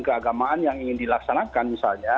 keagamaan yang ingin dilaksanakan misalnya